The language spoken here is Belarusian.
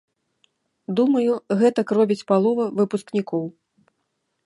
Думаю, гэтак робяць палова выпускнікоў.